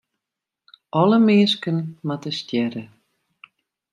Alle minsken moatte stjerre.